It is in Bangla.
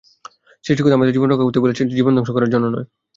সৃষ্টিকর্তা আমাদের জীবন রক্ষা করতে বলেছেন, জীবন ধ্বংস করার জন্য নয়।